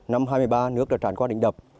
năm hai mươi ba nước đã tràn qua đỉnh đập